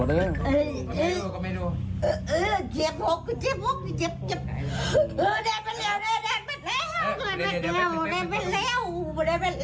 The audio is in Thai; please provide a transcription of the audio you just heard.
เฮ้อพูดได้ไปแล้ว